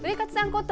こと